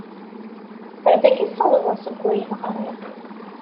Ar dagi i ssawḍeɣ seg wayen ɣriɣ.